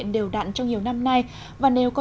đều đặn trong nhiều năm nay và nếu có